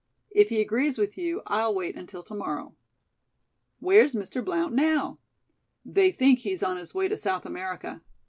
If he agrees with you, I'll wait until to morrow." "Where's Mr. Blount now?" "They think he's on his way to South America.